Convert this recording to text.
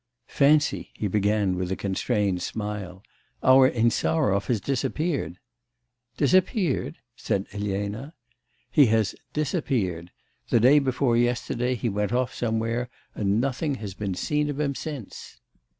'Fancy,' he began with a constrained smile, 'our Insarov has disappeared.' 'Disappeared?' said Elena. 'He has disappeared. The day before yesterday he went off somewhere and nothing has been seen of him since.